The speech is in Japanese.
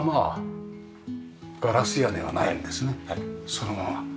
そのまま。